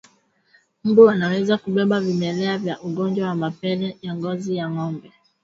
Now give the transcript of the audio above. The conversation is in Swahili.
Mbu wanaweza kubeba vimelea vya ugonjwa wa mapele ya ngozi kwa ngombe